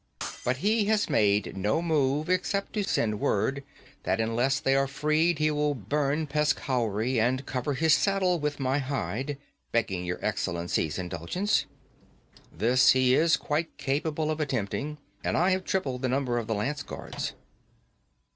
But he has made no move, except to send word that unless they are freed he will burn Peshkhauri and cover his saddle with my hide, begging your excellency's indulgence. This he is quite capable of attempting, and I have tripled the numbers of the lance guards.